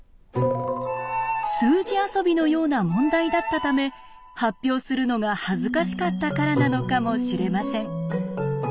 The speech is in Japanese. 数字遊びのような問題だったため発表するのが恥ずかしかったからなのかもしれません。